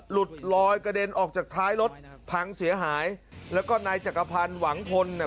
หลุดลอยกระเด็นออกจากท้ายรถพังเสียหายแล้วก็นายจักรพันธ์หวังพลเนี่ย